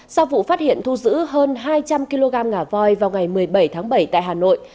sau vụ phát hiện thu giữ hơn hai trăm linh kg ngà voi vào ngày một mươi bảy tháng bảy tại hà nội